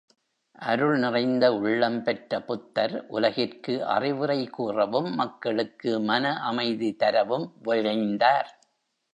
அருள் நிறைந்த உள்ளம் பெற்ற புத்தர் உலகிற்கு அறிவுரை கூறவும் மக்களுக்கு மனஅமைதி தரவும் விழைந்தார்.